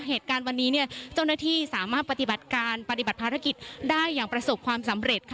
เหตุการณ์วันนี้เจ้าหน้าที่สามารถปฏิบัติการปฏิบัติภารกิจได้อย่างประสบความสำเร็จ